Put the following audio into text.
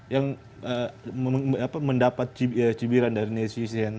yang mendapat cibiran dari netizen